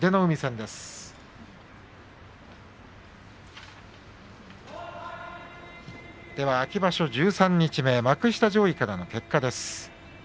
では秋場所十三日目幕下上位からの結果です。